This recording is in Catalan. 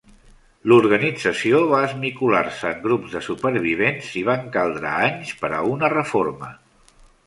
L'organització va esmicolar-se en grups de supervivents i van caldre anys per a una reforma.